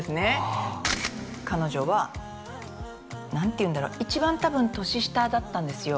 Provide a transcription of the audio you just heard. ああ彼女は何ていうんだろう一番多分年下だったんですよ